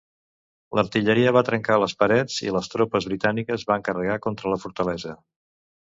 L'artilleria va trencar les parets i les tropes britàniques van carregar contra la fortalesa.